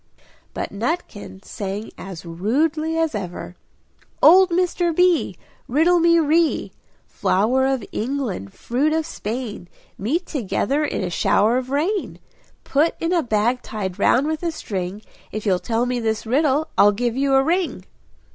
But Nutkin sang as rudely as ever "Old Mr. B! riddle me ree Flour of England, fruit of Spain, Met together in a shower of rain; Put in a bag tied round with a string, If you'll tell me this riddle, I'll give you a ring!"